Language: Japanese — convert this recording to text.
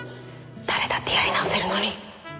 誰だってやり直せるのに。